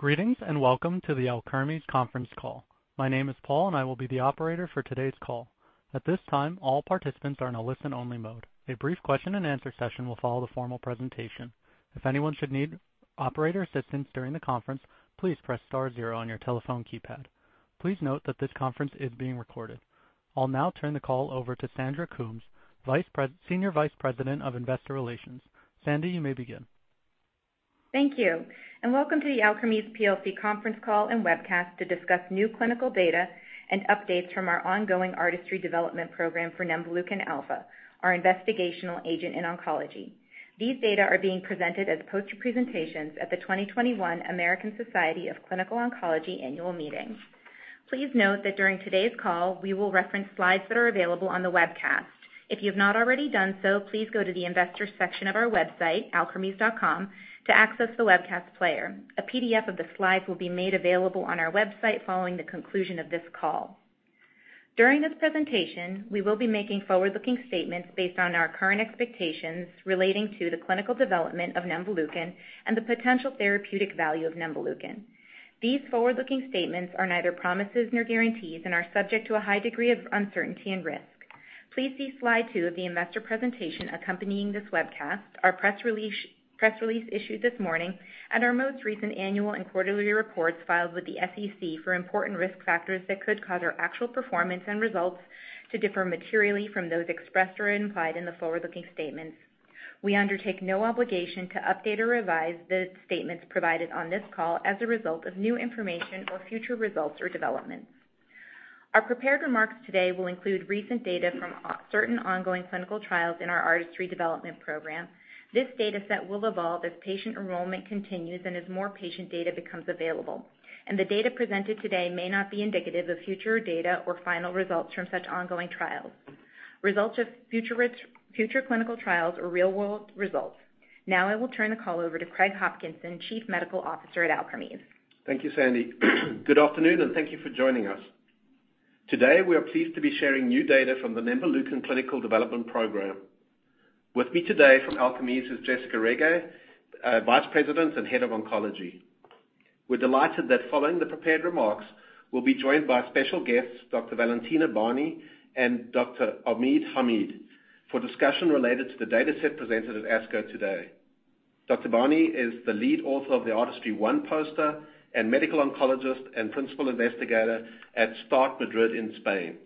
Greetings, and welcome to the Alkermes conference call. My name is Paul, and I will be the operator for today's call. At this time, all participants are in a listen-only mode. A brief question-and-answer session will follow the formal presentation. If anyone should need operator assistance during the conference, please press star zero on your telephone keypad. Please note that this conference is being recorded. I'll now turn the call over to Sandy Coombs, Senior Vice President of Investor Relations. Sandy, you may begin. Thank you, welcome to the Alkermes PLC conference call and webcast to discuss new clinical data and updates from our ongoing ARTISTRY development program for nemvaleukin alfa, our investigational agent in oncology. These data are being presented as poster presentations at the 2021 American Society of Clinical Oncology Annual Meeting. Please note that during today's call, we will reference slides that are available on the webcast. If you've not already done so, please go to the Investors section of our website, alkermes.com, to access the webcast player. A PDF of the slides will be made available on our website following the conclusion of this call. During this presentation, we will be making forward-looking statements based on our current expectations relating to the clinical development of nemvaleukin and the potential therapeutic value of nemvaleukin. These forward-looking statements are neither promises nor guarantees and are subject to a high degree of uncertainty and risk. Please see slide two of the investor presentation accompanying this webcast, our press release issued this morning, and our most recent annual and quarterly reports filed with the SEC for important risk factors that could cause our actual performance and results to differ materially from those expressed or implied in the forward-looking statements. We undertake no obligation to update or revise the statements provided on this call as a result of new information or future results or developments. Our prepared remarks today will include recent data from certain ongoing clinical trials in our ARTISTRY development program. This data set will evolve as patient enrollment continues and as more patient data becomes available, and the data presented today may not be indicative of future data or final results from such ongoing trials, results of future clinical trials, or real-world results. Now, I will turn the call over to Craig Hopkinson, Chief Medical Officer at Alkermes. Thank you, Sandy. Good afternoon, and thank you for joining us. Today, we are pleased to be sharing new data from the nemvaleukin clinical development program. With me today from Alkermes is Jessicca Rege, Vice President and Head of Oncology. We're delighted that following the prepared remarks, we'll be joined by special guests, Dr. Valentina Boni and Dr. Omid Hamid, for discussion related to the data set presented at ASCO today. Dr. Boni is the lead author of the ARTISTRY-1 poster and medical oncologist and principal investigator at START Madrid in Spain.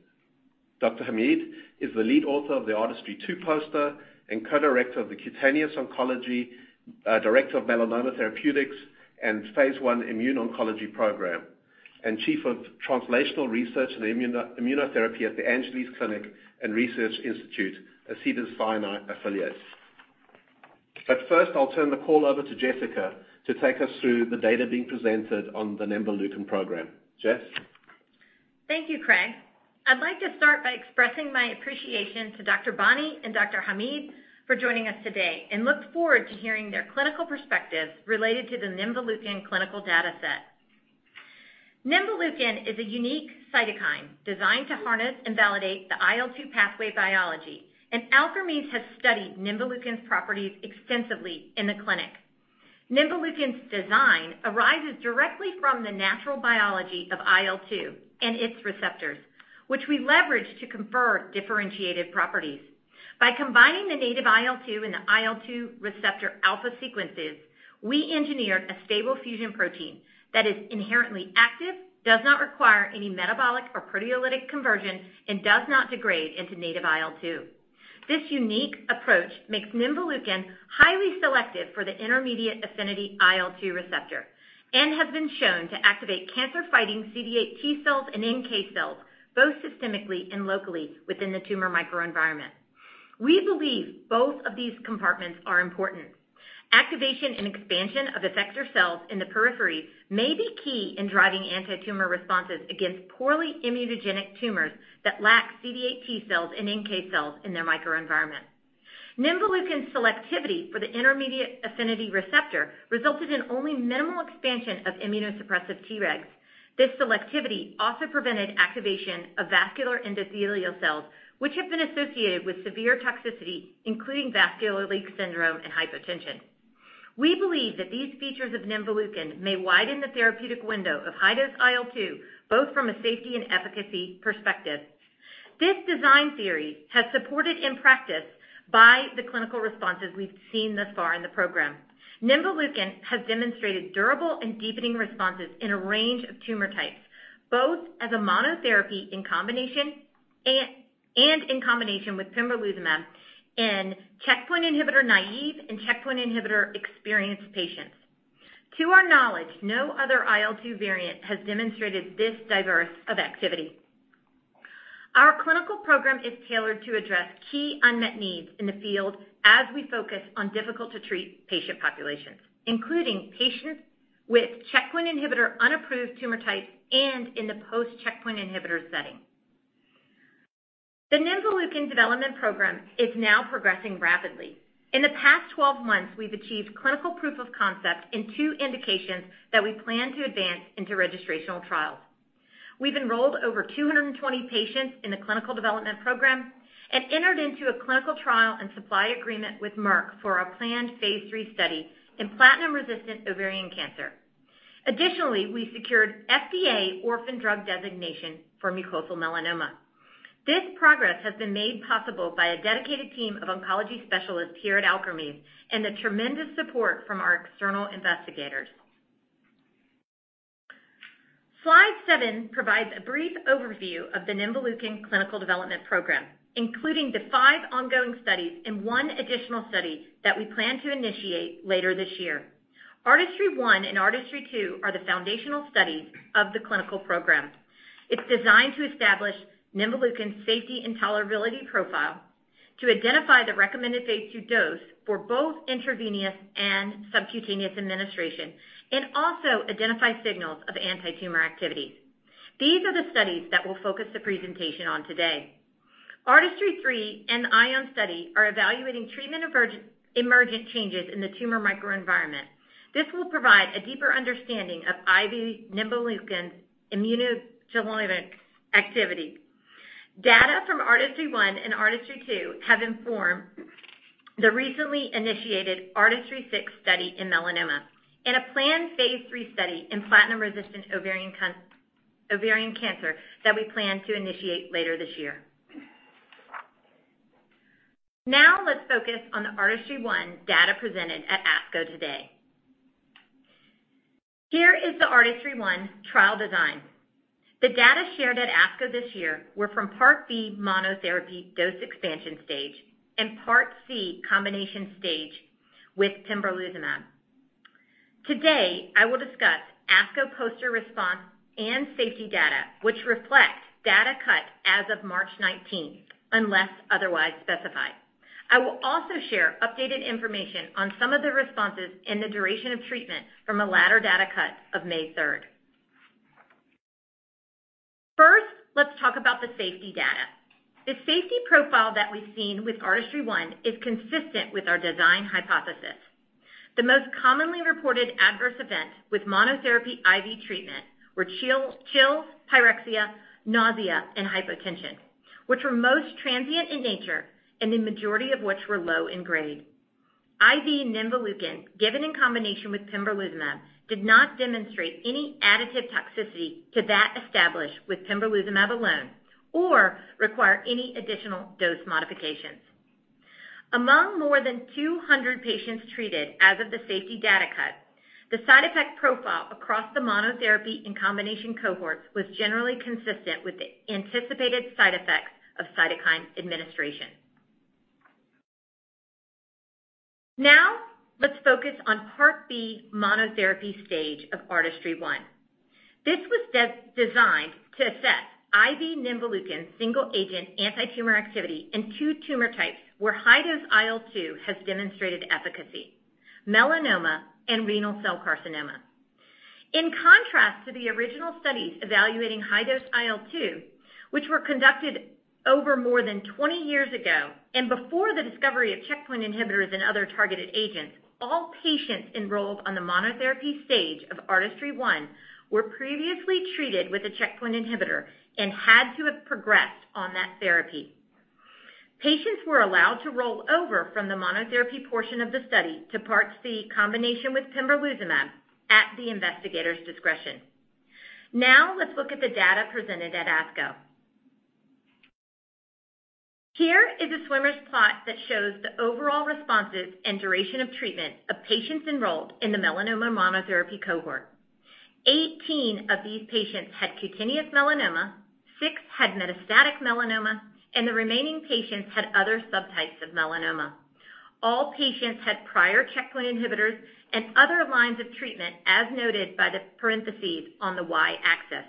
Dr. Hamid is the lead author of the ARTISTRY-2 poster and Co-Director of the Cutaneous Oncology, Director of Melanoma Therapeutics and Phase I Immuno-Oncology Program, and Chief of Translational Research and Immunotherapy at The Angeles Clinic and Research Institute, a Cedars-Sinai affiliate. First, I'll turn the call over to Jessicca to take us through the data being presented on the nemvaleukin program. Jess? Thank you, Craig. I'd like to start by expressing my appreciation to Dr. Boni and Dr. Hamid for joining us today and look forward to hearing their clinical perspectives related to the nemvaleukin clinical data set. Nemvaleukin is a unique cytokine designed to harness and validate the IL-2 pathway biology. Alkermes has studied nemvaleukin's properties extensively in the clinic. Nemvaleukin's design arises directly from the natural biology of IL-2 and its receptors, which we leverage to confer differentiated properties. By combining the native IL-2 and the IL-2 receptor alpha sequences, we engineer a stable fusion protein that is inherently active, does not require any metabolic or proteolytic conversion, and does not degrade into native IL-2. This unique approach makes nemvaleukin highly selective for the intermediate affinity IL-2 receptor and has been shown to activate cancer-fighting CD8 T cells and NK cells, both systemically and locally within the tumor microenvironment. We believe both of these compartments are important. Activation and expansion of effector cells in the periphery may be key in driving antitumor responses against poorly immunogenic tumors that lack CD8 T cells and NK cells in their microenvironment. Nemvaleukin's selectivity for the intermediate affinity receptor resulted in only minimal expansion of immunosuppressive T-regs. This selectivity also prevented activation of vascular endothelial cells, which have been associated with severe toxicity, including vascular leak syndrome and hypertension. We believe that these features of nemvaleukin may widen the therapeutic window of high-dose IL-2, both from a safety and efficacy perspective. This design theory has supported in practice by the clinical responses we've seen thus far in the program. Nemvaleukin has demonstrated durable and deepening responses in a range of tumor types, both as a monotherapy and in combination with pembrolizumab in checkpoint inhibitor-naïve and checkpoint inhibitor-experienced patients. To our knowledge, no other IL-2 variant has demonstrated this diverse of activity. Our clinical program is tailored to address key unmet needs in the field as we focus on difficult-to-treat patient populations, including patients with checkpoint inhibitor-unapproved tumor types and in the post-checkpoint inhibitor setting. The nemvaleukin development program is now progressing rapidly. In the past 12 months, we've achieved clinical proof of concept in two indications that we plan to advance into registrational trials. We've enrolled over 220 patients in the clinical development program and entered into a clinical trial and supply agreement with Merck for our planned phase III study in platinum-resistant ovarian cancer. Additionally, we secured FDA Orphan Drug Designation for mucosal melanoma. This progress has been made possible by a dedicated team of oncology specialists here at Alkermes and the tremendous support from our external investigators. Slide seven provides a brief overview of the nemvaleukin clinical development program, including the five ongoing studies and one additional study that we plan to initiate later this year. ARTISTRY-1 and ARTISTRY-2 are the foundational studies of the clinical program. It's designed to establish nemvaleukin's safety and tolerability profile, to identify the recommended phase II dose for both intravenous and subcutaneous administration, and also identify signals of antitumor activity. These are the studies that we'll focus the presentation on today. ARTISTRY-3 and ION-01 study are evaluating treatment-emergent changes in the tumor microenvironment. This will provide a deeper understanding of IV nemvaleukin's immuno stimulative activity. Data from ARTISTRY-1 and ARTISTRY-2 have informed the recently initiated ARTISTRY-6 study in melanoma and a planned phase III study in platinum-resistant ovarian cancer that we plan to initiate later this year. Let's focus on ARTISTRY-1 data presented at ASCO today. Here is the ARTISTRY-1 trial design. The data shared at ASCO this year were from Part B monotherapy dose expansion stage and Part C combination stage with pembrolizumab. I will discuss ASCO poster response and safety data, which reflects data cut as of March 19th, unless otherwise specified. I will also share updated information on some of the responses and the duration of treatment from the latter data cut of May 3rd. Let's talk about the safety data. The safety profile that we've seen with ARTISTRY-1 is consistent with our design hypothesis. The most commonly reported adverse events with monotherapy IV treatment were chill, pyrexia, nausea, and hypotension, which were most transient in nature, and the majority of which were low in grade. IV nemvaleukin given in combination with pembrolizumab did not demonstrate any additive toxicity to that established with pembrolizumab alone or require any additional dose modifications. Among more than 200 patients treated as of the safety data cut, the side effect profile across the monotherapy and combination cohorts was generally consistent with the anticipated side effects of cytokine administration. Let's focus on Part B monotherapy stage of ARTISTRY-1. This was designed to assess IV nemvaleukin single agent antitumor activity in two tumor types where high-dose IL-2 has demonstrated efficacy: melanoma and renal cell carcinoma. In contrast to the original studies evaluating high-dose IL-2, which were conducted over more than 20 years ago and before the discovery of checkpoint inhibitors and other targeted agents, all patients enrolled on the monotherapy stage of ARTISTRY-1 were previously treated with a checkpoint inhibitor and had to have progressed on that therapy. Patients were allowed to roll over from the monotherapy portion of the study to Part C combination with pembrolizumab at the investigator's discretion. Now let's look at the data presented at ASCO. Here is a swimmers plot that shows the overall responses and duration of treatment of patients enrolled in the melanoma monotherapy cohort. 18 of these patients had cutaneous melanoma, six had metastatic melanoma, and the remaining patients had other subtypes of melanoma. All patients had prior checkpoint inhibitors and other lines of treatment as noted by the parentheses on the y-axis.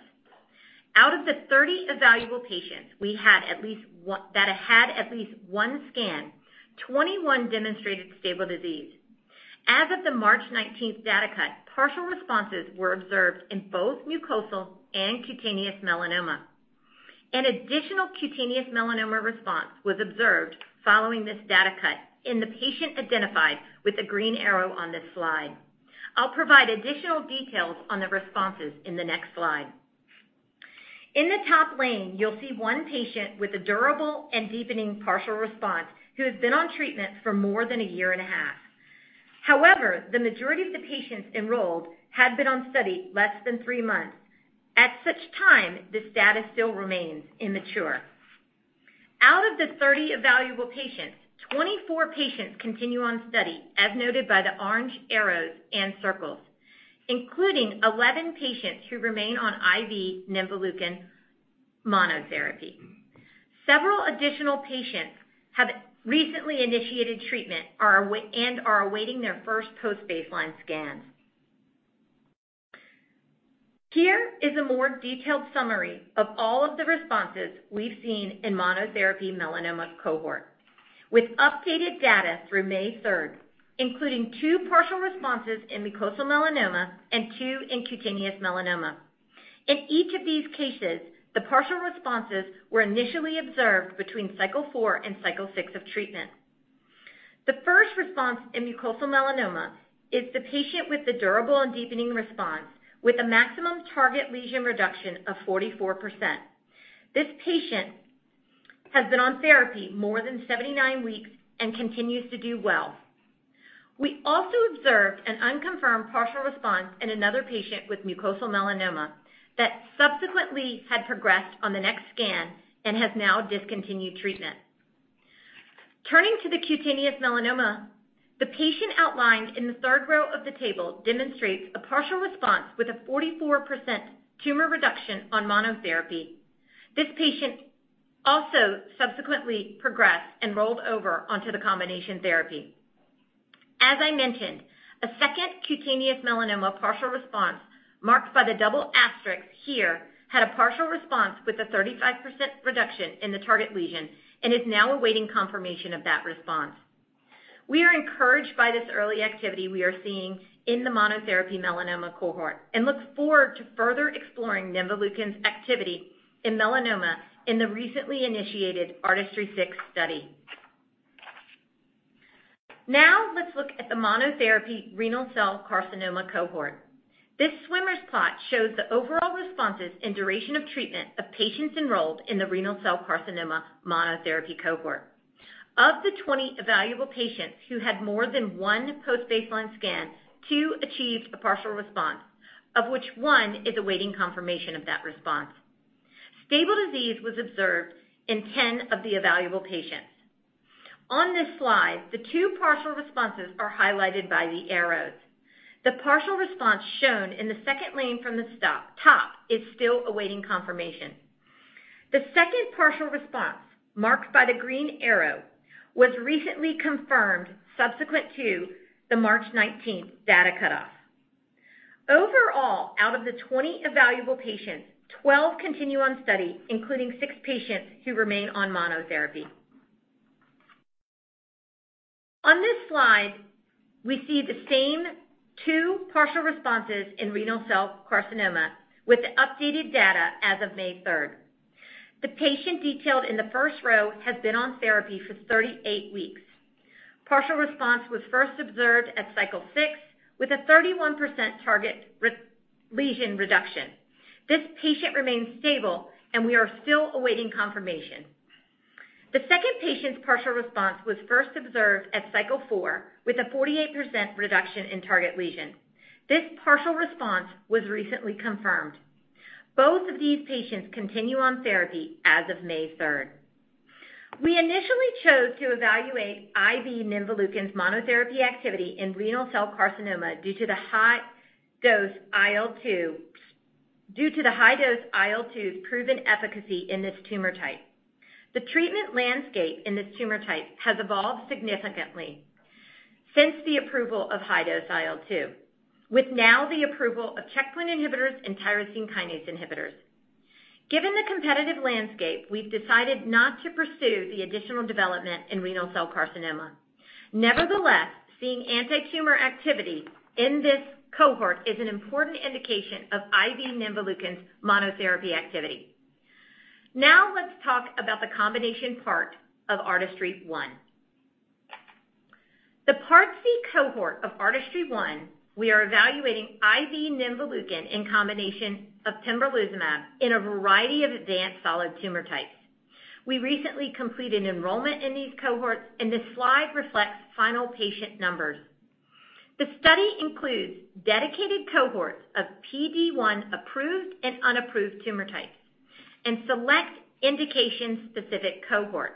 Out of the 30 evaluable patients that had at least one scan, 21 demonstrated stable disease. As of the March 19th data cut, partial responses were observed in both mucosal and cutaneous melanoma. An additional cutaneous melanoma response was observed following this data cut in the patient identified with the green arrow on this slide. I'll provide additional details on the responses in the next slide. In the top lane, you'll see one patient with a durable and deepening partial response who has been on treatment for more than a year and a half. The majority of the patients enrolled have been on study less than three months. At such time, this data still remains immature. Out of the 30 evaluable patients, 24 patients continue on study as noted by the orange arrows and circles, including 11 patients who remain on IV nemvaleukin monotherapy. Several additional patients have recently initiated treatment and are awaiting their first post-baseline scan. Here is a more detailed summary of all of the responses we've seen in monotherapy melanoma cohort with updated data through May 3rd, including two partial responses in mucosal melanoma and two in cutaneous melanoma. In each of these cases, the partial responses were initially observed between cycle 4 and cycle 6 of treatment. The first response in mucosal melanoma is the patient with the durable and deepening response with a maximum target lesion reduction of 44%. This patient has been on therapy for more than 79 weeks and continues to do well. We also observed an unconfirmed partial response in another patient with mucosal melanoma that subsequently had progressed on the next scan and has now discontinued treatment. Turning to the cutaneous melanoma, the patient outlined in the third row of the table demonstrates a partial response with a 44% tumor reduction on monotherapy. This patient also subsequently progressed and rolled over onto the combination therapy. As I mentioned, a second cutaneous melanoma partial response, marked by the double asterisk here, had a partial response with a 35% reduction in the target lesion and is now awaiting confirmation of that response. We are encouraged by this early activity we are seeing in the monotherapy melanoma cohort and look forward to further exploring nemvaleukin's activity in melanoma in the recently initiated ARTISTRY-6 study. Now let's look at the monotherapy renal cell carcinoma cohort. This swimmer's plot shows the overall responses and duration of treatment of patients enrolled in the renal cell carcinoma monotherapy cohort. Of the 20 evaluable patients who had more than one post-baseline scan, two achieved a partial response, of which one is awaiting confirmation of that response. Stable disease was observed in 10 of the evaluable patients. On this slide, the two partial responses are highlighted by the arrows. The partial response shown in the second lane from the top is still awaiting confirmation. The second partial response, marked by the green arrow, was recently confirmed subsequent to the March 19th data cutoff. Overall, out of the 20 evaluable patients, 12 continue on study, including six patients who remain on monotherapy. On this slide, we see the same two partial responses in renal cell carcinoma with the updated data as of May 3rd. The patient detailed in the first row has been on therapy for 38 weeks. Partial response was first observed at cycle 6 with a 31% target lesion reduction. This patient remains stable. We are still awaiting confirmation. The second patient's partial response was first observed at cycle 4 with a 48% reduction in target lesion. This partial response was recently confirmed. Both of these patients continue on therapy as of May 3rd. We initially chose to evaluate IV nemvaleukin's monotherapy activity in renal cell carcinoma due to the high-dose IL-2's proven efficacy in this tumor type. The treatment landscape in this tumor type has evolved significantly since the approval of high-dose IL-2, with now the approval of checkpoint inhibitors and tyrosine kinase inhibitors. Given the competitive landscape, we've decided not to pursue the additional development in renal cell carcinoma. Nevertheless, seeing anti-tumor activity in this cohort is an important indication of IV nemvaleukin's monotherapy activity. Let's talk about the combination part of ARTISTRY-1. The Part C cohort of ARTISTRY-1, we are evaluating IV nemvaleukin in combination with pembrolizumab in a variety of advanced solid tumor types. We recently completed enrollment in these cohorts, and this slide reflects final patient numbers. The study includes dedicated cohorts of PD-1 approved and unapproved tumor types and select indication-specific cohorts.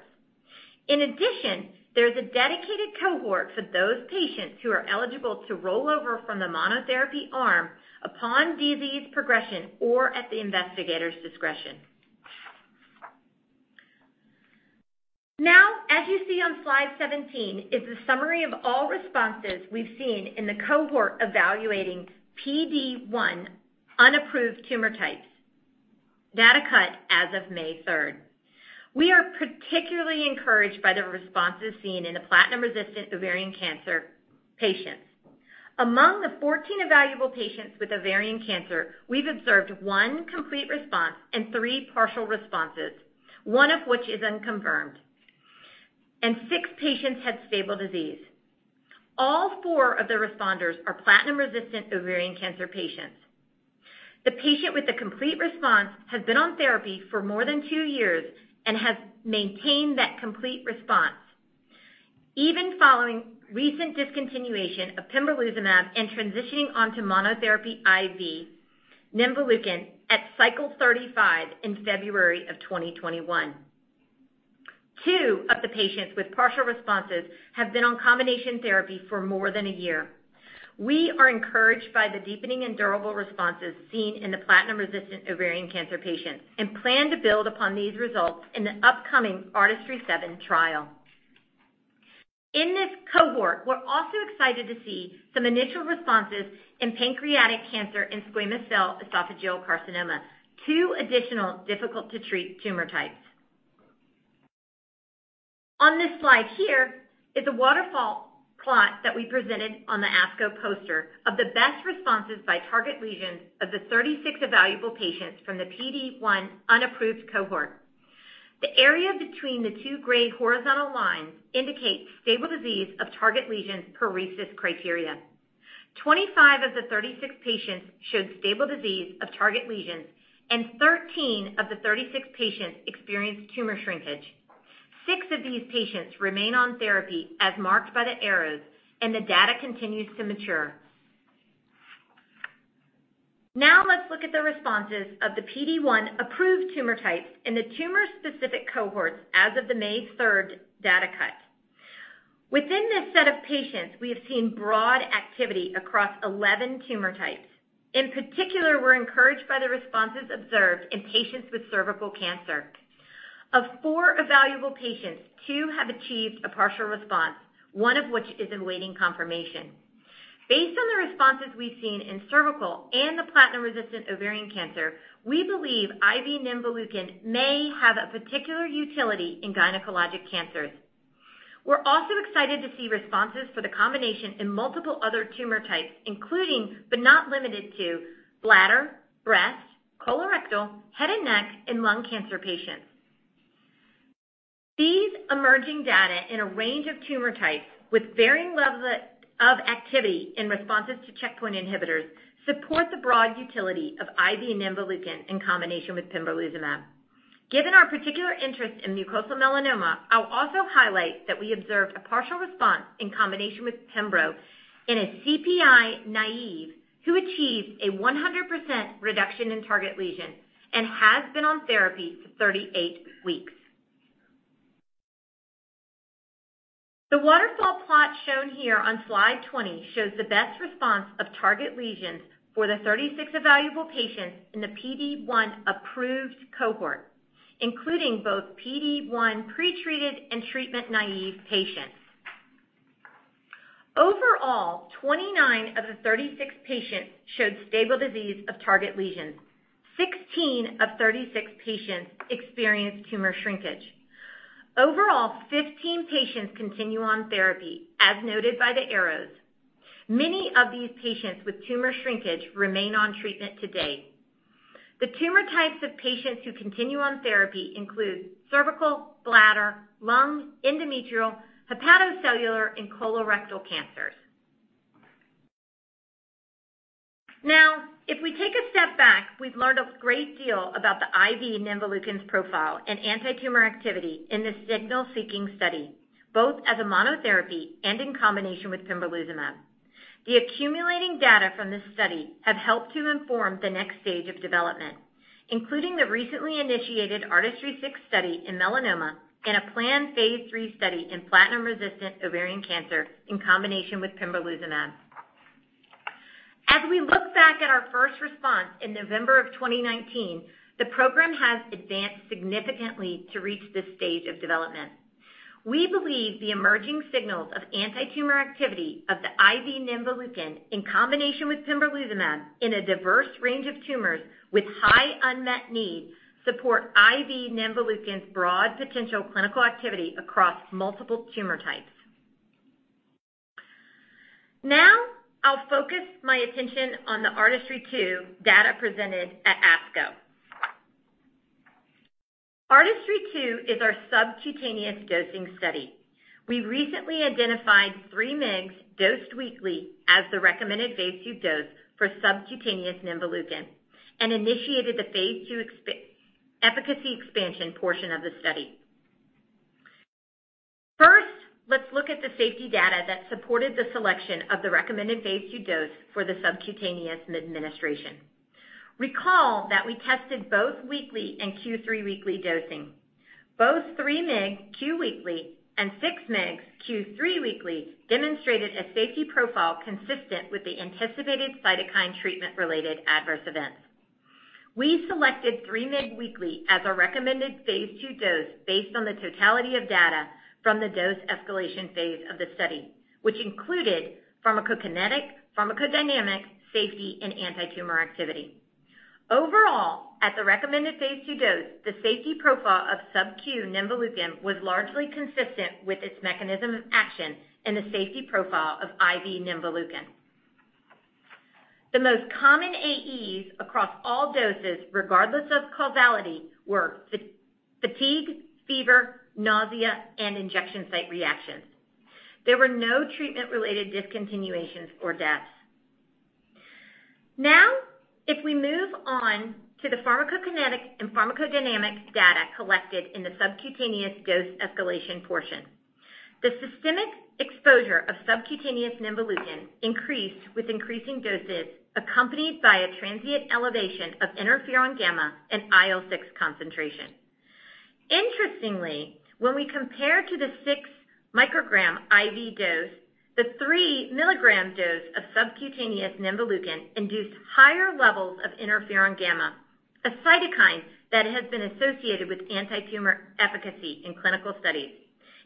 In addition, there's a dedicated cohort for those patients who are eligible to roll over from the monotherapy arm upon disease progression or at the investigator's discretion. As you see on slide 17, is a summary of all responses we've seen in the cohort evaluating PD-1 unapproved tumor types data cut as of May 3rd. We are particularly encouraged by the responses seen in the platinum-resistant ovarian cancer patients. Among the 14 evaluable patients with ovarian cancer, we've observed one complete response and three partial responses, one of which is unconfirmed, and six patients had stable disease. All four of the responders are platinum-resistant ovarian cancer patients. The patient with a complete response has been on therapy for more than two years and has maintained that complete response, even following recent discontinuation of pembrolizumab and transitioning onto monotherapy IV nemvaleukin at cycle 35 in February of 2021. Two of the patients with partial responses have been on combination therapy for more than a year. We are encouraged by the deepening and durable responses seen in the platinum-resistant ovarian cancer patients and plan to build upon these results in the upcoming ARTISTRY-7 trial. In this cohort, we're also excited to see some initial responses in pancreatic cancer and squamous cell esophageal carcinoma, two additional difficult-to-treat tumor types. On this slide here is a waterfall plot that we presented on the ASCO poster of the best responses by target lesions of the 36 evaluable patients from the PD-1 unapproved cohort. The area between the two gray horizontal lines indicates stable disease of target lesions per RECIST criteria. 25 of the 36 patients showed stable disease of target lesions, and 13 of the 36 patients experienced tumor shrinkage. Six of these patients remain on therapy as marked by the arrows, and the data continues to mature. Let's look at the responses of the PD-1 approved tumor types in the tumor-specific cohorts as of the May 3rd data cut. Within this set of patients, we have seen broad activity across 11 tumor types. In particular, we're encouraged by the responses observed in patients with cervical cancer. Of four evaluable patients, two have achieved a partial response, one of which is awaiting confirmation. Based on the responses we've seen in cervical and the platinum-resistant ovarian cancer, we believe IV nemvaleukin may have a particular utility in gynecologic cancers. We're also excited to see responses for the combination in multiple other tumor types, including, but not limited to, bladder, breast, colorectal, head and neck, and lung cancer patients. These emerging data in a range of tumor types with varying levels of activity in responses to checkpoint inhibitors support the broad utility of IV nemvaleukin in combination with pembrolizumab. Given our particular interest in mucosal melanoma, I'll also highlight that we observed a partial response in combination with pembro in a CPI naive who achieved a 100% reduction in target lesions and has been on therapy for 38 weeks. The waterfall plot shown here on slide 20 shows the best response of target lesions for the 36 evaluable patients in the PD-1 approved cohort, including both PD-1 pretreated and treatment-naive patients. Overall, 29 of the 36 patients showed stable disease of target lesions. 16 of 36 patients experienced tumor shrinkage. Overall, 15 patients continue on therapy, as noted by the arrows. Many of these patients with tumor shrinkage remain on treatment to date. The tumor types of patients who continue on therapy include cervical, bladder, lung, endometrial, hepatocellular, and colorectal cancers. If we take a step back, we've learned a great deal about the IV nemvaleukin profile and antitumor activity in the Signal-Seeking Study, both as a monotherapy and in combination with pembrolizumab. The accumulating data from this study have helped to inform the next stage of development, including the recently initiated ARTISTRY-6 study in melanoma and a planned phase III study in platinum-resistant ovarian cancer in combination with pembrolizumab. As we look back at our first response in November of 2019, the program has advanced significantly to reach this stage of development. We believe the emerging signals of antitumor activity of the IV nemvaleukin in combination with pembrolizumab in a diverse range of tumors with high unmet need support IV nemvaleukin's broad potential clinical activity across multiple tumor types. I'll focus my attention on the ARTISTRY-2 data presented at ASCO. ARTISTRY-2 is our subcutaneous dosing study. We recently identified 3 mgs dosed weekly as the recommended phase II dose for subcutaneous nemvaleukin and initiated the phase II efficacy expansion portion of the study. First, let's look at the safety data that supported the selection of the recommended phase II dose for the subcutaneous administration. Recall that we tested both weekly and Q3 weekly dosing. Both 3 mg Q weekly and 6 mg Q3 weekly demonstrated a safety profile consistent with the anticipated cytokine treatment-related adverse events. We selected 3 mg weekly as a recommended phase II dose based on the totality of data from the dose escalation phase of the study, which included pharmacokinetic, pharmacodynamic, safety, and antitumor activity. Overall, at the recommended phase II dose, the safety profile of subcutaneous nemvaleukin was largely consistent with its mechanism of action and the safety profile of IV nemvaleukin. The most common AEs across all doses, regardless of causality, were fatigue, fever, nausea, and injection site reactions. There were no treatment-related discontinuations or deaths. If we move on to the pharmacokinetic and pharmacodynamic data collected in the subcutaneous dose escalation portion. The systemic exposure of subcutaneous nemvaleukin increased with increasing doses, accompanied by a transient elevation of interferon gamma and IL-6 concentration. When we compare to the six microgram IV dose, the three milligram dose of subcutaneous nemvaleukin induced higher levels of interferon gamma, a cytokine that has been associated with antitumor efficacy in clinical studies,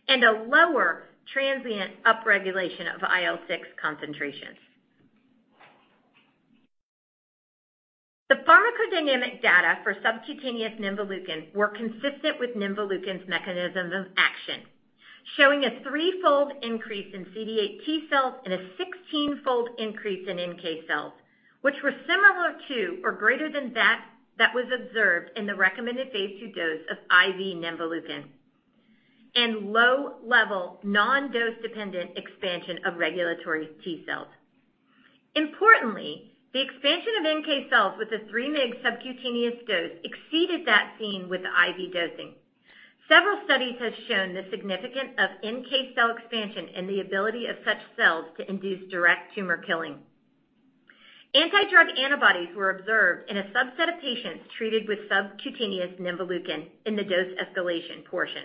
and a lower transient upregulation of IL-6 concentration. Pharmacodynamic data for subcutaneous nemvaleukin were consistent with nemvaleukin's mechanisms of action, showing a threefold increase in CD8 T cells and a 16-fold increase in NK cells, which were similar to or greater than that that was observed in the recommended phase II dose of IV nemvaleukin and low-level non-dose dependent expansion of regulatory T cells. Importantly, the expansion of NK cells with a 3 mg subcutaneous dose exceeded that seen with IV dosing. Several studies have shown the significance of NK cell expansion and the ability of such cells to induce direct tumor killing. Anti-drug antibodies were observed in a subset of patients treated with subcutaneous nemvaleukin in the dose escalation portion.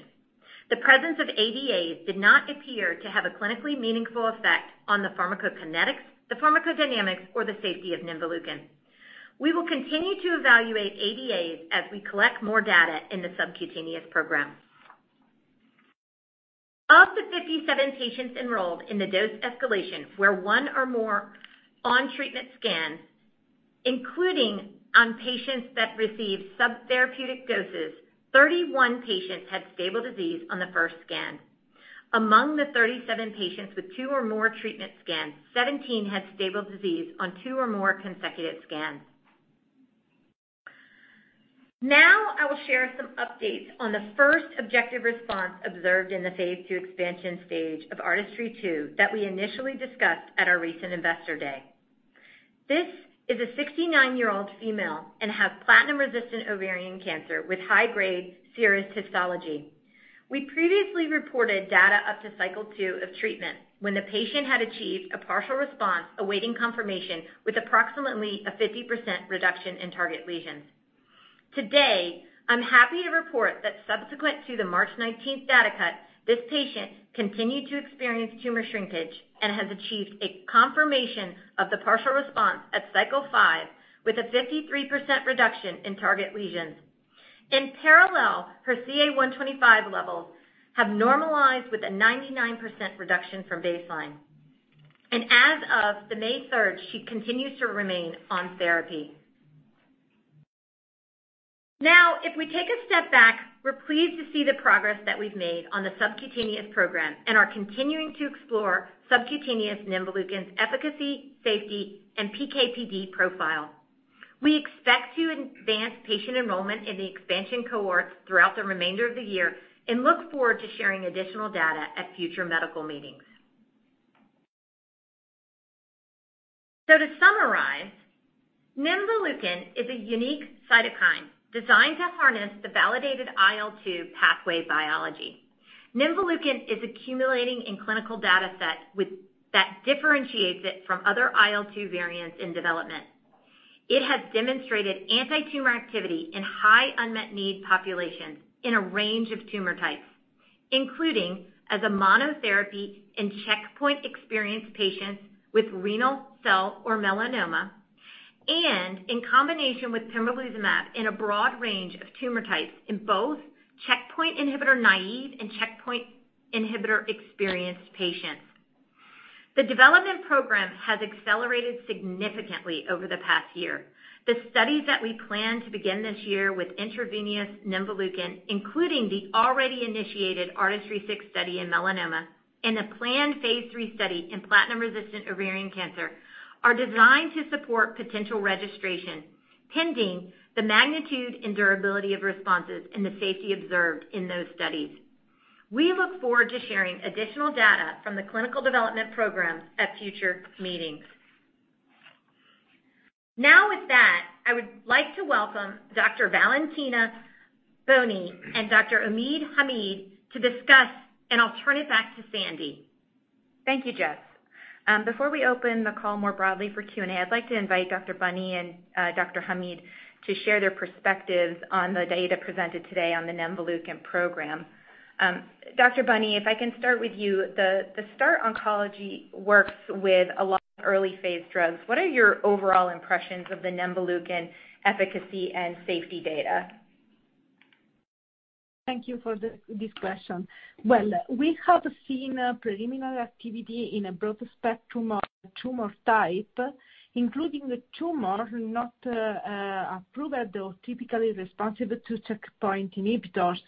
The presence of ADAs did not appear to have a clinically meaningful effect on the pharmacokinetics, the pharmacodynamics, or the safety of nemvaleukin. We will continue to evaluate ADAs as we collect more data in the subcutaneous program. Of the 57 patients enrolled in the dose escalations where one or more on treatment scans, including on patients that received subtherapeutic doses, 31 patients had stable disease on the first scan. Among the 37 patients with two or more treatment scans, 17 had stable disease on two or more consecutive scans. I will share some updates on the first objective response observed in the Phase II expansion stage of ARTISTRY-2 that we initially discussed at our recent Investor Day. This is a 69-year-old female and has platinum-resistant ovarian cancer with high-grade serous histology. We previously reported data up to cycle 2 of treatment when the patient had achieved a partial response awaiting confirmation with approximately a 50% reduction in target lesions. Today, I'm happy to report that subsequent to the March 19th data cut, this patient continued to experience tumor shrinkage and has achieved a confirmation of the partial response at cycle 5 with a 53% reduction in target lesions. In parallel, her CA 125 levels have normalized with a 99% reduction from baseline. As of the May 3rd, she continues to remain on therapy. Now, if we take a step back, we're pleased to see the progress that we've made on the subcutaneous program and are continuing to explore subcutaneous nemvaleukin's efficacy, safety, and PK/PD profile. We expect to advance patient enrollment in the expansion cohorts throughout the remainder of the year and look forward to sharing additional data at future medical meetings. To summarize, nemvaleukin is a unique cytokine designed to harness the validated IL-2 pathway biology. Nemvaleukin is accumulating in clinical datasets that differentiates it from other IL-2 variants in development. It has demonstrated anti-tumor activity in high unmet need populations in a range of tumor types, including as a monotherapy in checkpoint-experienced patients with renal cell or melanoma, and in combination with pembrolizumab in a broad range of tumor types in both checkpoint inhibitor-naive and checkpoint inhibitor-experienced patients. The development programs have accelerated significantly over the past year. The studies that we plan to begin this year with intravenous nemvaleukin, including the already initiated ARTISTRY-6 study in melanoma and a planned phase III study in platinum-resistant ovarian cancer, are designed to support potential registration, pending the magnitude and durability of responses and the safety observed in those studies. We look forward to sharing additional data from the clinical development programs at future meetings. Now with that, I would like to welcome Dr. Valentina Boni and Dr. Omid Hamid to discuss, and I'll turn it back to Sandy. Thank you, Jess. Before we open the call more broadly for Q&A, I'd like to invite Dr. Boni and Dr. Hamid to share their perspectives on the data presented today on the nemvaleukin program. Dr. Boni, if I can start with you, the START works with a lot of early-phase drugs. What are your overall impressions of the nemvaleukin efficacy and safety data? Thank you for this question. Well, we have seen a preliminary activity in a broad spectrum of tumor type, including the tumor not approved or typically responsible to checkpoint inhibitors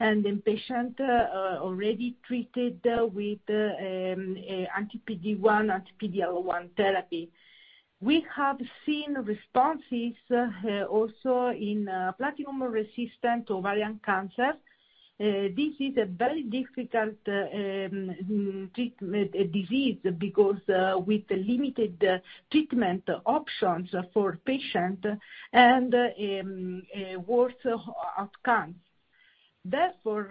and in patient already treated with anti-PD-1, anti-PD-L1 therapy. We have seen responses also in platinum-resistant ovarian cancer. This is a very difficult treatment disease because with limited treatment options for patient and worse outcomes. Therefore,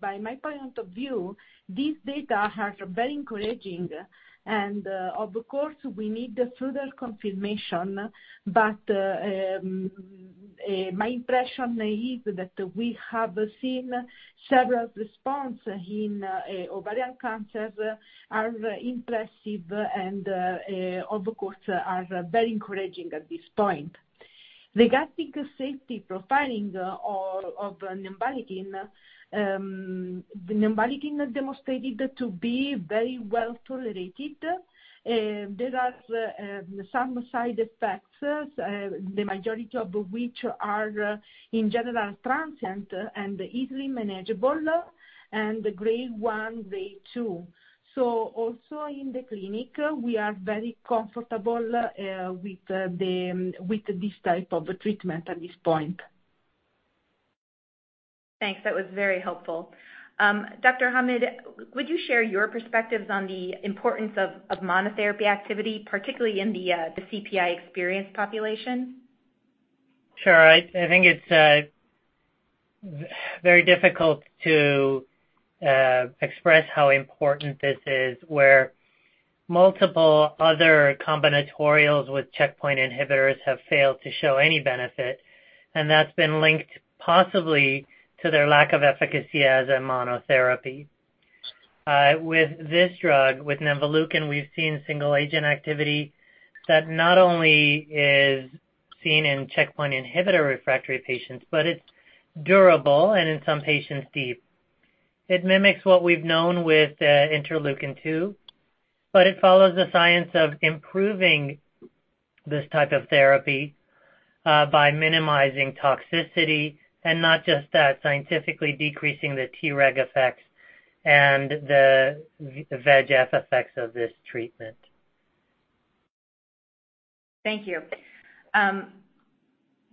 by my point of view, these data are very encouraging and of course we need the further confirmation, but my impression is that we have seen several response in ovarian cancer are impressive and of course are very encouraging at this point. Regarding safety profiling of nemvaleukin demonstrated to be very well-tolerated. There are some side effects, the majority of which are, in general, transient and easily manageable, and Grade 1, Grade 2. Also in the clinic, we are very comfortable with this type of treatment at this point. Thanks. That was very helpful. Dr. Hamid, would you share your perspectives on the importance of monotherapy activity, particularly in the CPI-experienced population? Sure. I think it's very difficult to express how important this is, where multiple other combinatorials with checkpoint inhibitors have failed to show any benefit, and that's been linked possibly to their lack of efficacy as a monotherapy. With this drug, with nemvaleukin, we've seen single-agent activity that not only is seen in checkpoint inhibitor-refractory patients, but it's durable and in some patients deep. It mimics what we've known with interleukin-2, but it follows the science of improving this type of therapy by minimizing toxicity, and not just that, scientifically decreasing the T-reg effects and the VEGF effects of this treatment. Thank you.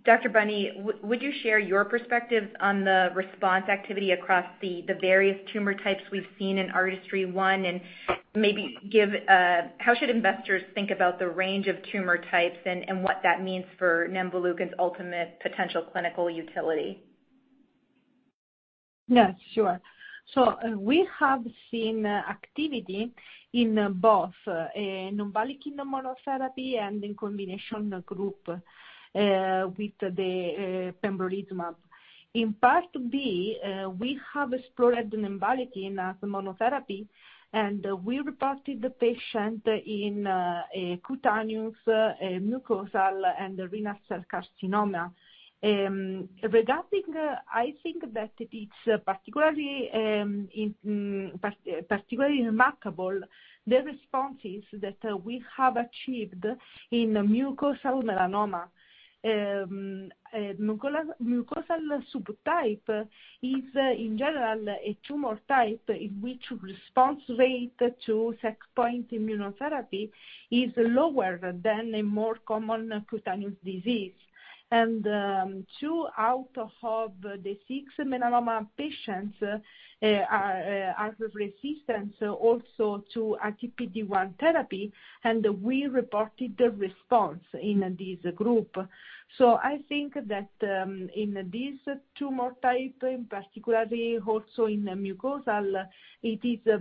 Dr. Boni, would you share your perspectives on the response activity across the various tumor types we've seen in ARTISTRY-1 and maybe how should investors think about the range of tumor types and what that means for nemvaleukin's ultimate potential clinical utility? Yeah, sure. We have seen activity in both nemvaleukin monotherapy and in combination group with the pembrolizumab. In Part B, we have explored nemvaleukin as monotherapy, and we reported the patient in cutaneous, mucosal, and renal cell carcinoma. I think that it's particularly remarkable the responses that we have achieved in mucosal melanoma. Mucosal subtype is in general a tumor type in which response rate to checkpoint immunotherapy is lower than a more common cutaneous disease. Two out of the six melanoma patients are resistant also to anti-PD-1 therapy, and we reported the response in this group. I think that in this tumor type, particularly also in the mucosal, it is a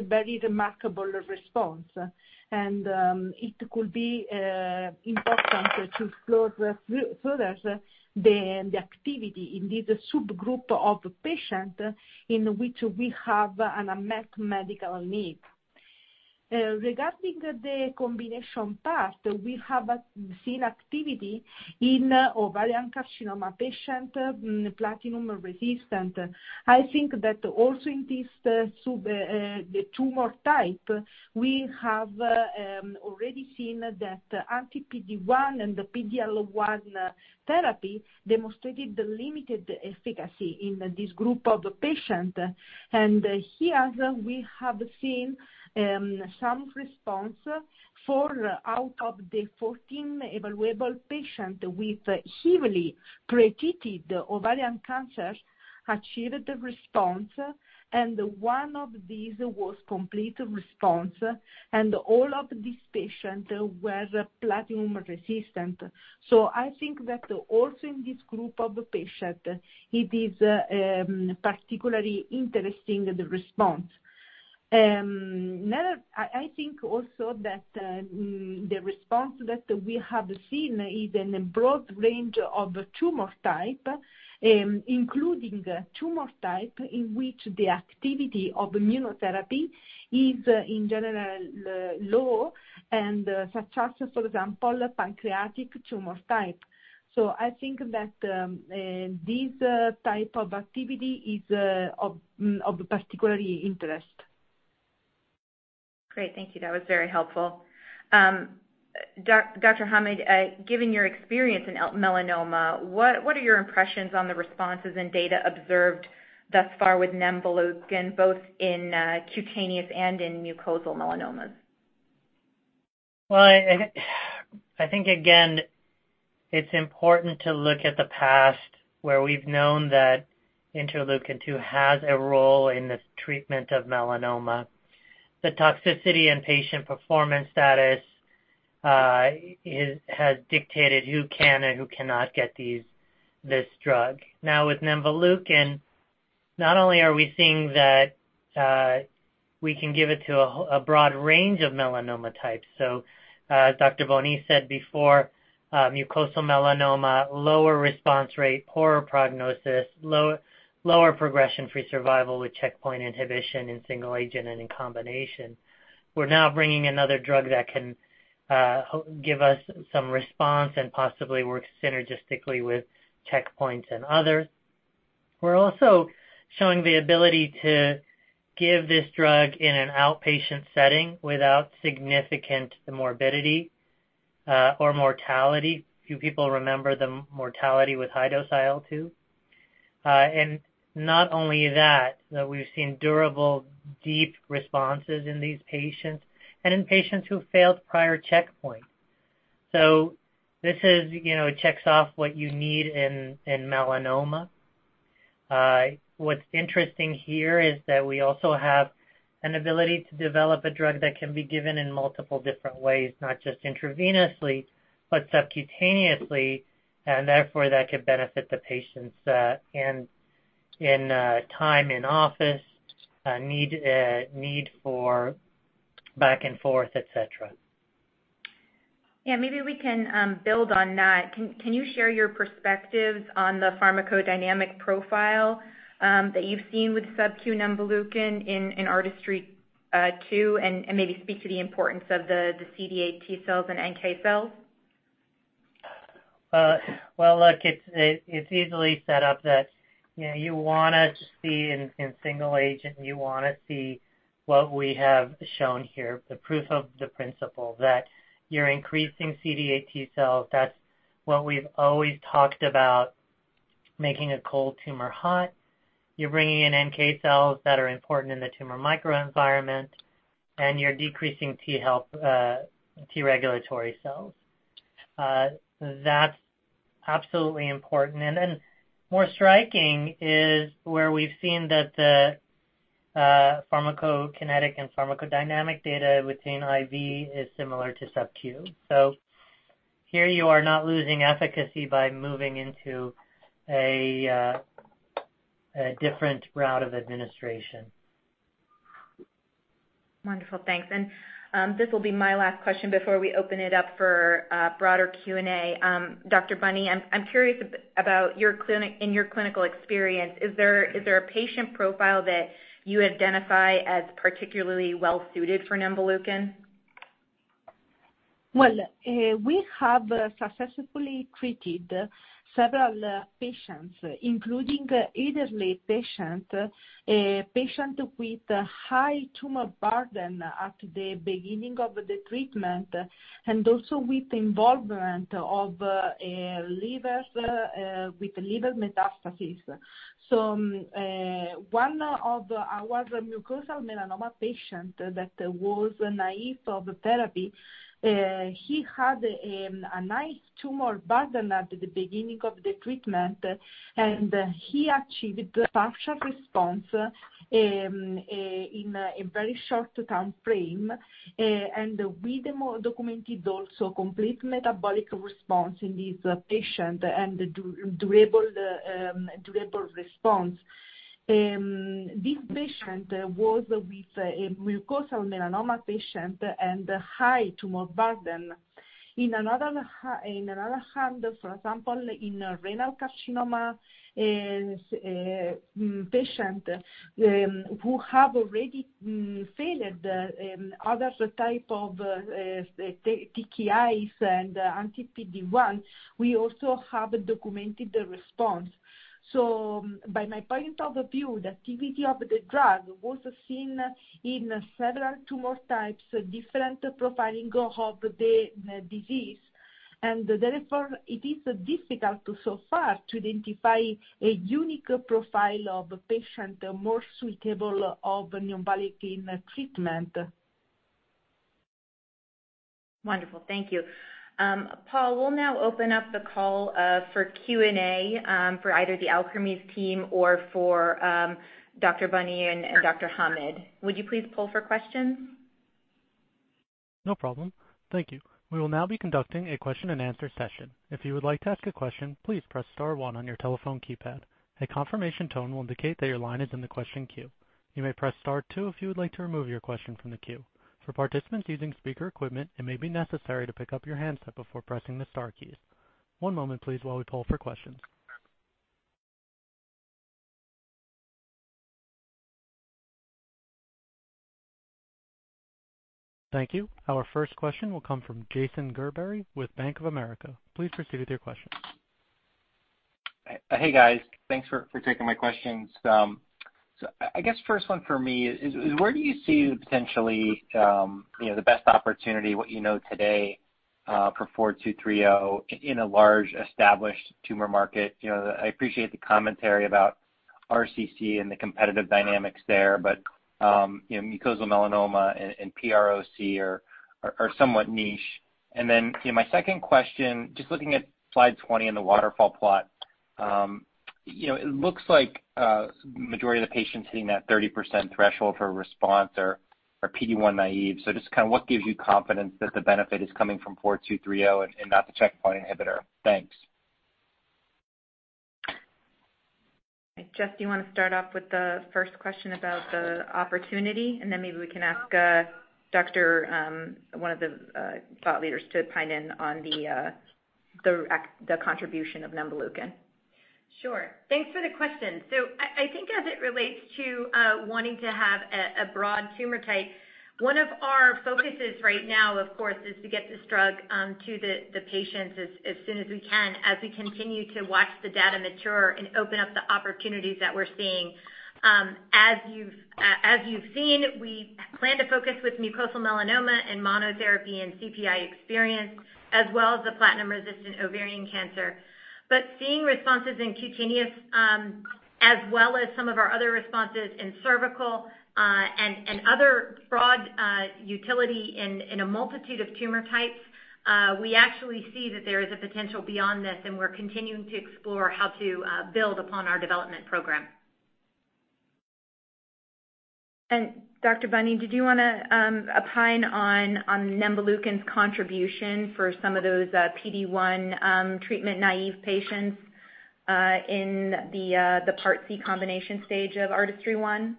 very remarkable response. It could be important to explore further the activity in this subgroup of patients in which we have an unmet medical need. Regarding the combination part, we have seen activity in ovarian carcinoma patient, platinum-resistant. I think that also in this, the tumor type, we have already seen that anti-PD-1 and the PD-L1 therapy demonstrated limited efficacy in this group of patients. Here we have seen some response. Four out of the 14 evaluable patients with heavily pretreated ovarian cancers achieved the response, and one of these was complete response, and all of these patients were platinum-resistant. I think that also in this group of patients, it is particularly interesting, the response. I think also that the response that we have seen is in a broad range of tumor type, including the tumor type in which the activity of immunotherapy is, in general, low and such as, for example, pancreatic tumor type. I think that this type of activity is of particular interest. Great. Thank you. That was very helpful. Dr. Hamid, given your experience in melanoma, what are your impressions on the responses and data observed thus far with nemvaleukin, both in cutaneous and in mucosal melanomas? I think, again, it's important to look at the past where we've known that interleukin-2 has a role in the treatment of melanoma. The toxicity and patient performance status has dictated who can and who cannot get this drug. With nemvaleukin, not only are we seeing that we can give it to a broad range of melanoma types, Dr. Boni said before, mucosal melanoma, lower response rate, poorer prognosis, lower progression-free survival with checkpoint inhibition in single agent and in combination. We're now bringing another drug that can give us some response and possibly work synergistically with checkpoints and others. We're also showing the ability to give this drug in an outpatient setting without significant morbidity or mortality. Do people remember the mortality with high-dose IL-2? Not only that, we've seen durable, deep responses in these patients and in patients who failed prior checkpoints. This checks off what you need in melanoma. What's interesting here is that we also have an ability to develop a drug that can be given in multiple different ways, not just intravenously, but subcutaneously, and therefore, that could benefit the patients in time in office, need for back and forth, et cetera. Maybe we can build on that. Can you share your perspectives on the pharmacodynamic profile that you've seen with subcu nemvaleukin in ARTISTRY-3, and maybe speak to the importance of the CD8 T cells and NK cells? Well, look, it's easily set up that you want to see in single agent, you want to see what we have shown here, the proof of the principle that you're increasing CD8 T cells. That's what we've always talked about, making a cold tumor hot. You're bringing in NK cells that are important in the tumor microenvironment, and you're decreasing T regulatory cells. That's absolutely important. More striking is where we've seen that the pharmacokinetic and pharmacodynamic data with IV is similar to subcu. Here you are not losing efficacy by moving into a different route of administration. Wonderful. Thanks. This will be my last question before we open it up for broader Q&A. Dr. Boni, I'm curious about in your clinical experience, is there a patient profile that you identify as particularly well-suited for nemvaleukin? Well, we have successfully treated several patients, including the elderly patient, a patient with a high tumor burden at the beginning of the treatment, and also with involvement of liver metastasis. One of our mucosal melanoma patient that was naive of therapy, he had a nice tumor burden at the beginning of the treatment, and he achieved partial response in a very short time frame. We documented also complete metabolic response in this patient and durable response. This patient was with a mucosal melanoma patient and high tumor burden. In another hand, for example, in renal carcinoma patient who have already failed the other type of TKIs and anti-PD-1, we also have documented the response. By my point of view, the activity of the drug was seen in several tumor types, different profiling of the disease, and therefore it is difficult so far to identify a unique profile of patient more suitable of nemvaleukin treatment. Wonderful. Thank you. Paul, we'll now open up the call for Q&A for either the Alkermes team or for Dr. Boni and Dr. Hamid. Would you please poll for questions? No problem. Thank you. We will now be conducting a question and answer session. If you would like to ask a question, please press star one on your telephone keypad. A confirmation tone will indicate that your line is in the question queue. You may press star two if you would like to remove your question from the queue. For participants using speaker equipment, it may be necessary to pick up your handset before pressing the star keys. One moment please while we poll for questions. Thank you. Our first question will come from Jason Gerberry with Bank of America. Please proceed with your question. Hey, guys. Thanks for taking my questions. I guess first one for me is where do you see potentially the best opportunity, what you know today for 4230 in a large established tumor market? I appreciate the commentary about RCC and the competitive dynamics there, but mucosal melanoma and PROC are somewhat niche. My second question, just looking at slide 20 in the waterfall plot. It looks like majority of the patients hitting that 30% threshold for response are PD-1 naive. Just what gives you confidence that the benefit is coming from 4230 and not the checkpoint inhibitor? Thanks. Jess, do you want to start off with the first question about the opportunity, and then maybe we can ask one of the thought leaders to chime in on the contribution of nemvaleukin? Sure. Thanks for the question. I think as it relates to wanting to have a broad tumor type, one of our focuses right now, of course, is to get this drug to the patients as soon as we can as we continue to watch the data mature and open up the opportunities that we're seeing. As you've seen, we plan to focus with mucosal melanoma and monotherapy and CPI experience, as well as the platinum-resistant ovarian cancer. Seeing responses in cutaneous, as well as some of our other responses in cervical, and other broad utility in a multitude of tumor types, we actually see that there is a potential beyond this, and we're continuing to explore how to build upon our development program. Dr. Boni, did you want to opine on nemvaleukin's contribution for some of those PD-1 treatment naive patients in the Part C combination stage of ARTISTRY-1?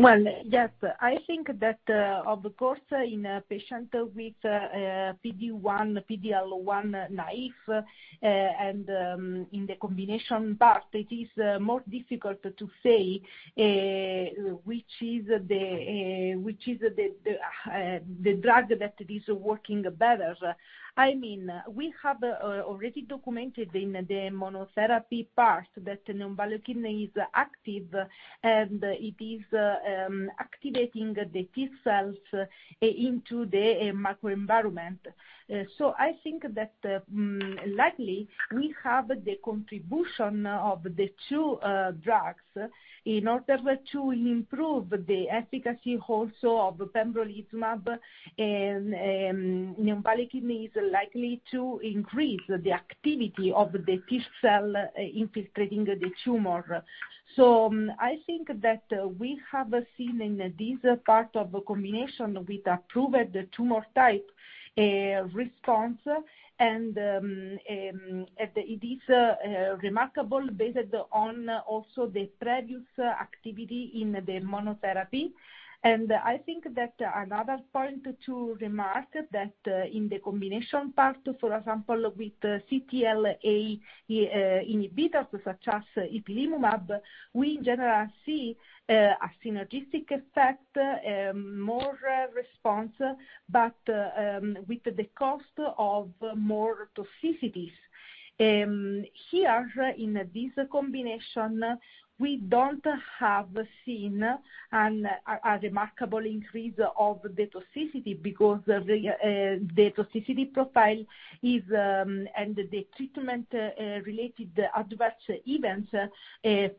Well, yes. I think that, of course, in a patient with PD-1, PD-L1 naive and in the combination part, it is more difficult to say which is the drug that is working better. We have already documented in the monotherapy part that nemvaleukin is active, and it is activating the T cells into the microenvironment. I think that likely we have the contribution of the two drugs in order to improve the efficacy also of pembrolizumab, and nemvaleukin is likely to increase the activity of the T cell infiltrating the tumor. I think that we have seen in this part of the combination with approved tumor type response, and it is remarkable based on also the previous activity in the monotherapy. I think that another point to remark that in the combination part, for example, with CTLA inhibitors such as ipilimumab, we in general see a synergistic effect, more response, but with the cost of more toxicities. Here in this combination, we don't have seen a remarkable increase of the toxicity because the toxicity profile is, and the treatment related adverse events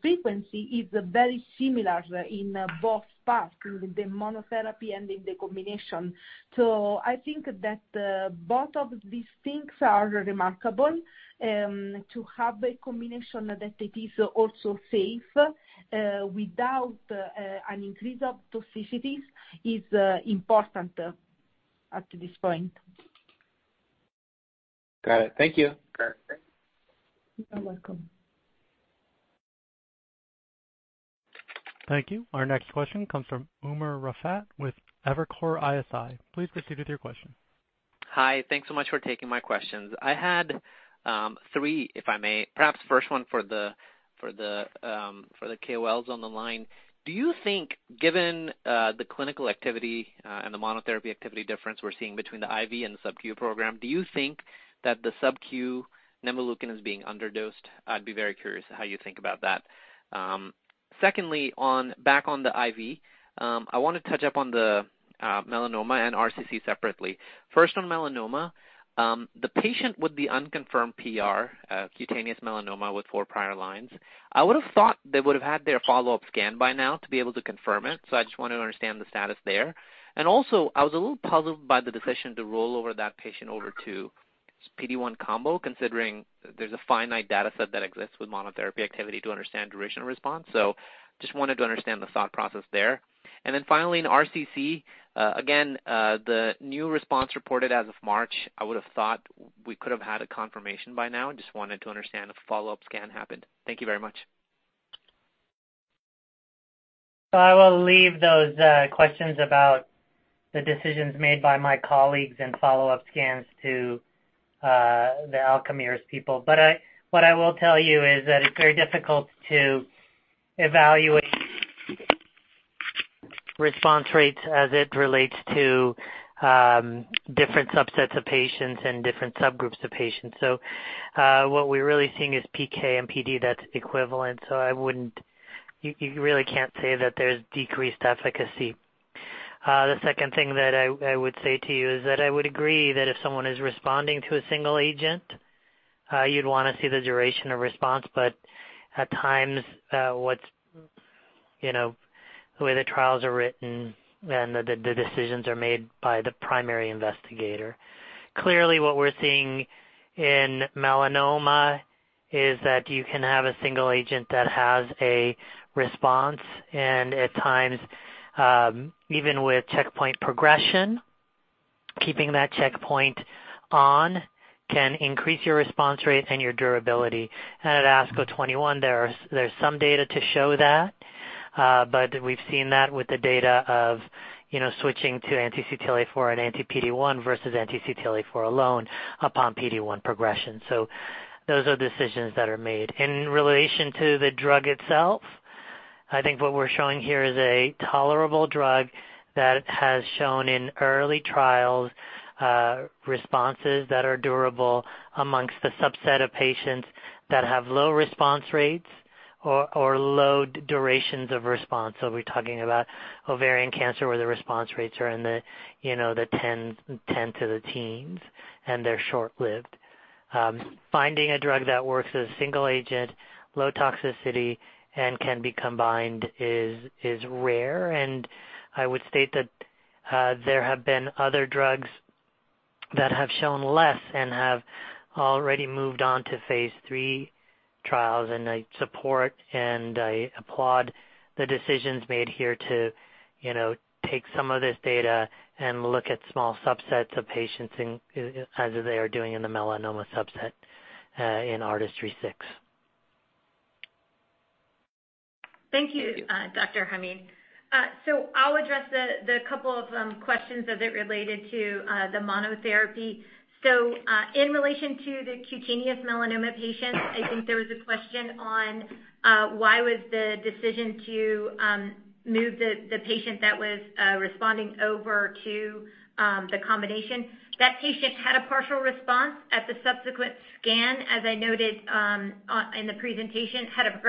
frequency is very similar in both parts, in the monotherapy and in the combination. I think that both of these things are remarkable. To have a combination that it is also safe without an increase of toxicities is important at this point. Got it. Thank you. You're welcome. Thank you. Our next question comes from Umer Raffat with Evercore ISI. Please proceed with your question. Hi. Thanks so much for taking my questions. I had three, if I may. Perhaps first one for the KOLs on the line. Do you think, given the clinical activity and the monotherapy activity difference we're seeing between the IV and the subcu program, do you think that the subcu nemvaleukin is being underdosed? I'd be very curious how you think about that. Secondly, back on the IV, I want to touch up on the melanoma and RCC separately. First on melanoma, the patient with the unconfirmed PR, cutaneous melanoma with four prior lines, I would've thought they would've had their follow-up scan by now to be able to confirm it. I just want to understand the status there. I was a little puzzled by the decision to roll over that patient over to PD-1 combo, considering there's a finite data set that exists with monotherapy activity to understand duration response. Just wanted to understand the thought process there. Finally, in RCC, again, the new response reported as of March, I would've thought we could have had a confirmation by now. Just wanted to understand if a follow-up scan happened. Thank you very much. I will leave those questions about the decisions made by my colleagues and follow-up scans to the Alkermes people. What I will tell you is that it's very difficult to evaluate response rates as it relates to different subsets of patients and different subgroups of patients. What we're really seeing is PK and PD that's equivalent, so you really can't say that there's decreased efficacy. The second thing that I would say to you is that I would agree that if someone is responding to a single agent, you'd want to see the duration of response. At times, the way the trials are written and the decisions are made by the primary investigator. Clearly, what we're seeing in melanoma is that you can have a single agent that has a response, and at times, even with checkpoint progression, keeping that checkpoint on can increase your response rate and your durability. At ASCO21, there's some data to show that. We've seen that with the data of switching to anti-CTLA-4 and anti-PD-1 versus anti-CTLA-4 alone upon PD-1 progression. Those are decisions that are made. In relation to the drug itself, I think what we're showing here is a tolerable drug that has shown in early trials, responses that are durable amongst the subset of patients that have low response rates or low durations of response. We're talking about ovarian cancer, where the response rates are in the 10 to the teens, and they're short-lived. Finding a drug that works as a single agent, low toxicity, and can be combined is rare. I would state that there have been other drugs that have shown less and have already moved on to phase III trials, and I support and I applaud the decisions made here to take some of this data and look at small subsets of patients as they are doing in the melanoma subset in ARTISTRY-6. Thank you, Dr. Hamid. I'll address the couple of questions as it related to the monotherapy. In relation to the cutaneous melanoma patients, I think there was a question on why was the decision to move the patient that was responding over to the combination. That patient had a partial response at the subsequent scan, as I noted in the presentation, had a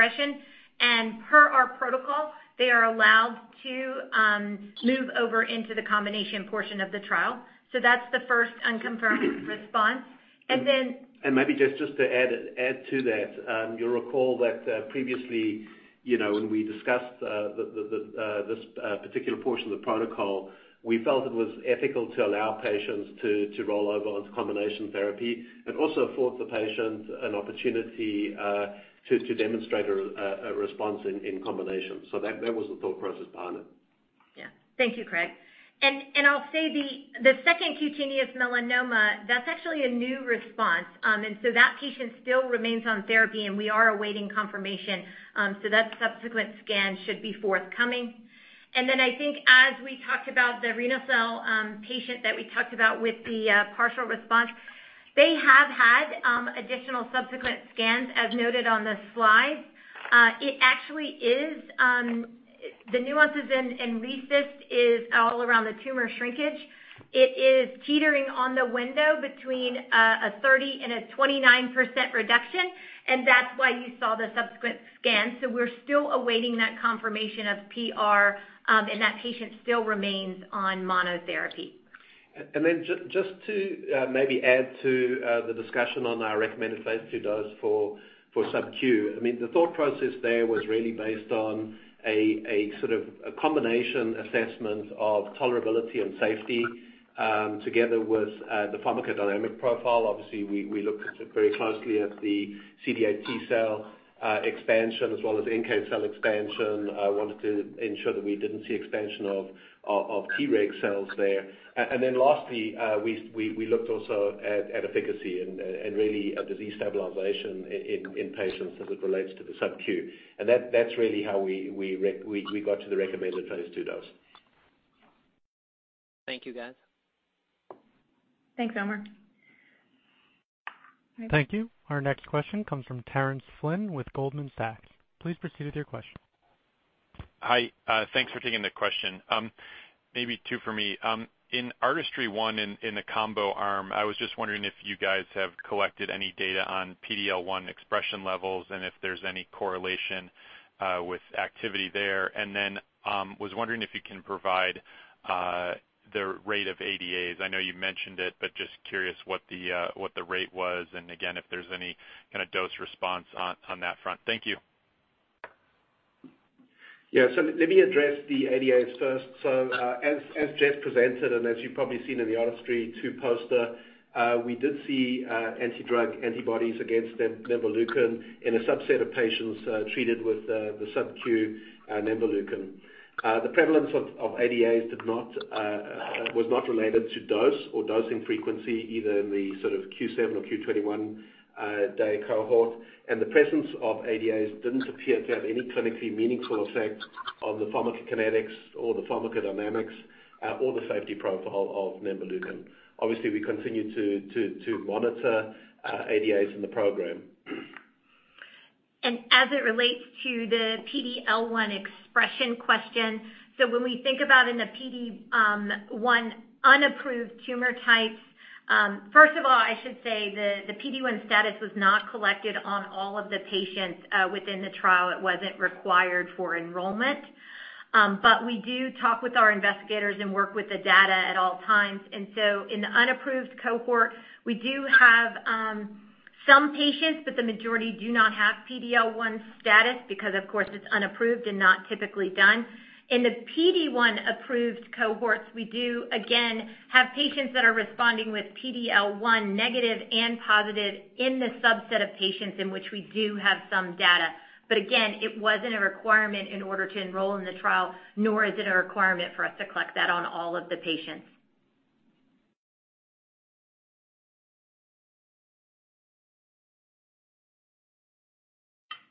progression. Per our protocol, they are allowed to move over into the combination portion of the trial. That's the first unconfirmed response. Maybe just to add to that, you'll recall that previously, when we discussed this particular portion of the protocol, we felt it was ethical to allow patients to roll over onto combination therapy. It also affords the patient an opportunity to demonstrate a response in combination. That was the thought process behind it. Yeah. Thank you, Craig. I'll say the second cutaneous melanoma, that's actually a new response. That patient still remains on therapy, and we are awaiting confirmation. That subsequent scan should be forthcoming. Then I think as we talked about the renal cell patient that we talked about with the partial response, they have had additional subsequent scans, as noted on the slide. The nuances in RECIST is all around the tumor shrinkage. It is teetering on the window between a 30% and a 29% reduction, and that's why you saw the subsequent scan. We're still awaiting that confirmation of PR, and that patient still remains on monotherapy. Just to maybe add to the discussion on our recommended phase II dose for sub Q. The thought process there was really based on a sort of combination assessment of tolerability and safety, together with the pharmacodynamic profile. Obviously, we looked very closely at the CD8 T-cell expansion as well as NK cell expansion. I wanted to ensure that we didn't see expansion of Treg cells there. Lastly, we looked also at efficacy and really at the disease stabilization in patients as it relates to the sub Q. That's really how we got to the recommended phase II dose. Thank you, guys. Thanks, Umer. Thank you. Our next question comes from Terence Flynn with Goldman Sachs. Please proceed with your question. Hi, thanks for taking the question. Maybe two for me. In ARTISTRY-1 in the combo arm, I was just wondering if you guys have collected any data on PD-L1 expression levels and if there's any correlation with activity there. Then, was wondering if you can provide the rate of ADAs. I know you mentioned it, but just curious what the rate was and again, if there's any dose response on that front. Thank you. Let me address the ADAs first. As Jess presented, and as you've probably seen in the ARTISTRY-2 poster, we did see anti-drug antibodies against nemvaleukin in a subset of patients treated with the sub q nemvaleukin. The prevalence of ADAs was not related to dose or dosing frequency, either in the sort of Q7 or Q21 day cohort. The presence of ADAs didn't appear to have any clinically meaningful effect on the pharmacokinetics or the pharmacodynamics or the safety profile of nemvaleukin. Obviously, we continue to monitor ADAs in the program. As it relates to the PD-L1 expression question, when we think about in the PD-1 unapproved tumor types, first of all, I should say the PD-1 status was not collected on all of the patients within the trial. It wasn't required for enrollment. We do talk with our investigators and work with the data at all times. In the unapproved cohort, we do have some patients, but the majority do not have PD-L1 status because, of course, it's unapproved and not typically done. In the PD-1 approved cohorts, we do again, have patients that are responding with PD-L1 negative and positive in the subset of patients in which we do have some data. Again, it wasn't a requirement in order to enroll in the trial, nor is it a requirement for us to collect that on all of the patients.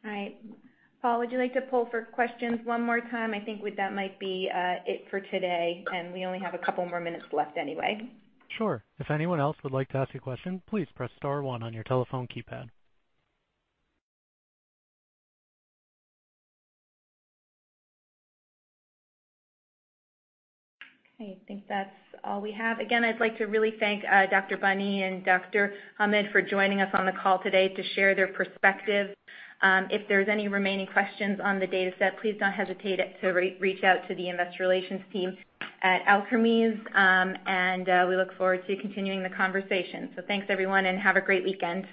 All right, Paul, would you like to poll for questions one more time? I think that might be it for today, and we only have a couple more minutes left anyway. Sure. If anyone else would like to ask a question, please press star one on your telephone keypad. I think that's all we have. I'd like to really thank Dr. Boni and Dr. Hamid for joining us on the call today to share their perspective. If there's any remaining questions on the dataset, please don't hesitate to reach out to the investor relations team at Alkermes, and we look forward to continuing the conversation. Thanks, everyone, and have a great weekend.